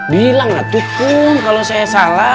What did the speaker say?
bilang lah tuh kum kalau saya salah